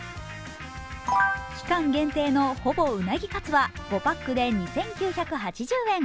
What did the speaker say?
期間限定のほぼうなぎカツは５パックで２９８０円。